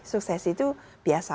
suksesi itu biasa